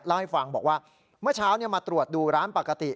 เล่าให้ฟังบอกว่าเมื่อเช้ามาตรวจดูร้านปกติ